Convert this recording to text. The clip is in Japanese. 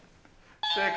正解。